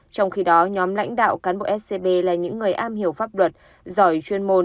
trong khi đó nhóm lãnh đạo cán bộ scb là những người am hiểu pháp luật giỏi chuyên môn